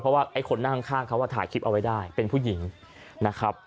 เพราะว่าไอ้คนนั่งข้างเขาถ่ายคลิปเอาไว้ได้เป็นผู้หญิงนะครับ